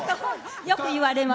よく言われます。